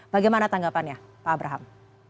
bagaimana tanggapannya pak abraham